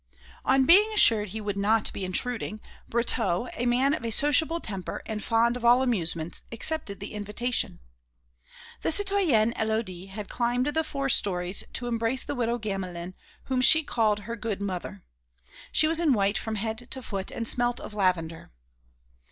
On being assured he would not be intruding, Brotteaux, a man of a sociable temper and fond of all amusements, accepted the invitation. The citoyenne Élodie had climbed the four storeys to embrace the widow Gamelin, whom she called her good mother. She was in white from head to foot, and smelt of lavender.